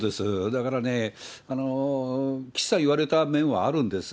だからね、岸さん言われた面はあるんです。